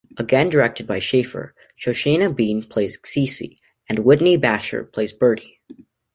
Again directed by Schaeffer, Shoshana Bean plays Cee Cee and Whitney Bashor plays Bertie.